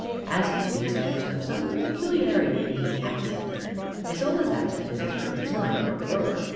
As he speaks, I observe some peculiarity in his accent. Isola's accent is as pure as mine, or purer.